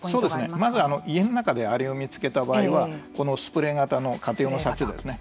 まず家の中でアリを見つけた場合はスプレー型の家庭用の殺虫剤ですね